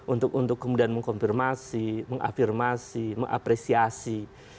untuk kemudian mengkonfirmasi mengafirmasi mengapresiasi